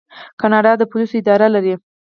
کاناډا د پولیسو اداره لري.